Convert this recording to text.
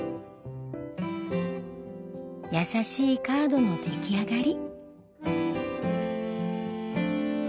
優しいカードの出来上がり。